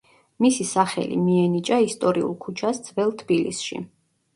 მისი სახელი მიენიჭა ისტორიულ ქუჩას ძველ თბილისში.